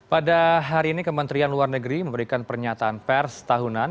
pada hari ini kementerian luar negeri memberikan pernyataan pers tahunan